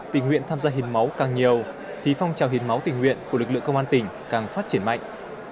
tình nguyện tham gia hiến máu càng nhiều thì phong trào hiến máu tình nguyện của lực lượng công an tỉnh càng phát triển mạnh